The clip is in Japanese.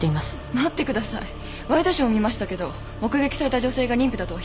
待ってくださいワイドショー見ましたけど目撃された女性が妊婦だとは一言も。